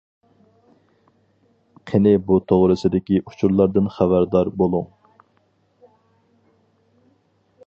قېنى بۇ توغرىسىدىكى ئۇچۇرلاردىن خەۋەردار بولۇڭ.